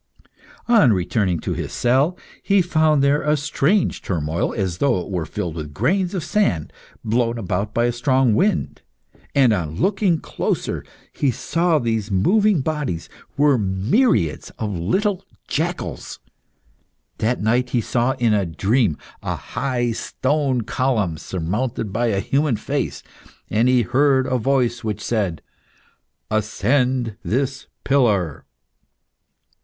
On returning to his cell, he found there a strange turmoil, as though it were filled with grains of sand blown about by a strong wind, and on looking closer, he saw these moving bodies were myriads of little jackals. That night he saw in a dream, a high stone column surmounted by a human face, and he heard a voice which said "Ascend this pillar!"